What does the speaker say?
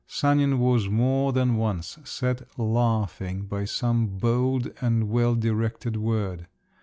Sanin was more than once set laughing by some bold and well directed word.